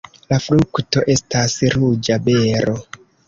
La frukto estas ruĝa bero.